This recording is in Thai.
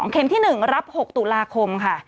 เข็มที่๑รับ๖ตุลาคมค่ะ